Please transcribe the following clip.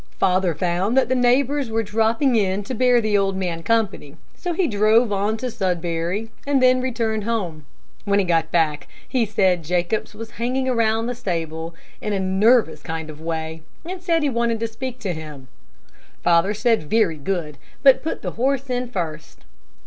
"Father found that the neighbors were dropping in to bear the old man company, so he drove on to Sudbury, and then returned home. When he got back, he said Jacobs was hanging about the stable in a nervous kind of a way, and said he wanted to speak to him. Father said very good, but put the horse in first.